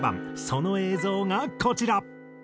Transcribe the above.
その映像がこちら。